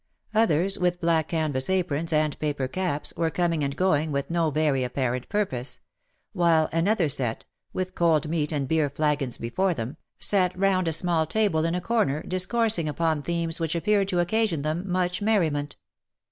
Others, with black canvass aprons and paper caps, were coming and going with no' very apparent purpose ; while another set, with cold meat and beer flagons before them, sat round a small table in a cor ner, discoursing upon themes which appeared to occasion them much merr ment.